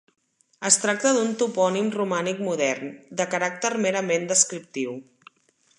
Es tracta d'un topònim romànic modern, de caràcter merament descriptiu.